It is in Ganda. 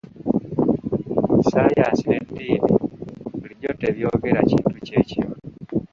Saayansi n'eddiini bulijjo tebyogera kintu kye kimu.